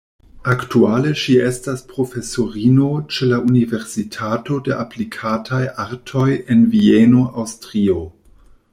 Aktuale ŝi estas profesorino ĉe la Universitato de aplikataj artoj en Vieno, Aŭstrio.